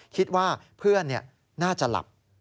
คิดว่าเพื่อนน่าจะหลับ